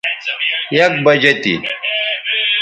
یک بجہ تھی